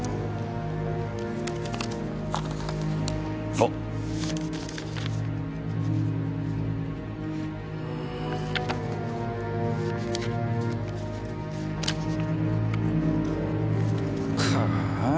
あっ。はあ。